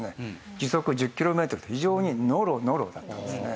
時速１０キロメートルで非常にノロノロだったんですね。